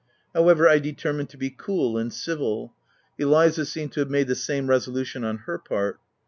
However, I deter mined to be cool and civil. Eliza seemed to have made the same resolution on her part.